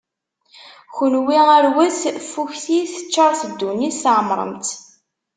Kenwi, arwet, ffuktit, ččaṛet ddunit tɛemṛem-tt.